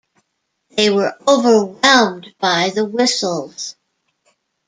They were overwhelmed by the whistles.